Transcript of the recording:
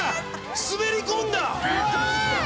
滑り込んだ！